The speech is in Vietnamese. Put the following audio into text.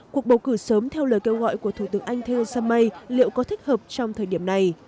cuộc bầu cử sớm theo lời kêu gọi của thủ tướng anh theresa may liệu có thích hợp trong thời điểm này